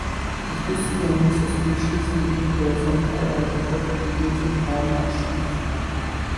If you see any suspicious-looking person or article, please inform our staff.